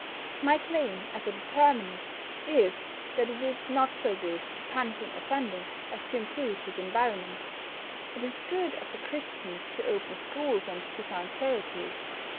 My claim, as a Determinist, is that it is not so good to punish an offender as to improve his environment. It is good of the Christians to open schools and to found charities.